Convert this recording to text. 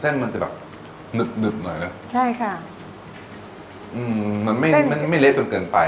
เส้นมันจะแบบดึกดึกหน่อยใช่ค่ะมันไม่มันไม่เล็กจนเกินไป